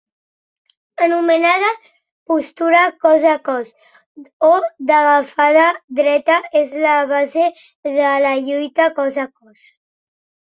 Anomenada postura cos a cos o d'agafada dreta, és la base de la lluita cos a cos.